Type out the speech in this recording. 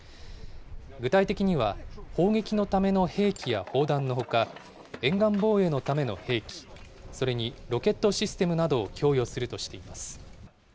具体的には、砲撃のための兵器や砲弾のほか、沿岸防衛のための兵器、それにロケットシステムなどを供与するとしています。